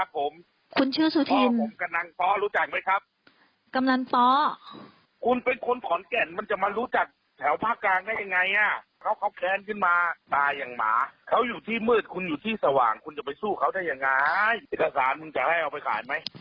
ผมชื่อนายสุธินครับผมชื่อนายสุธินครับผม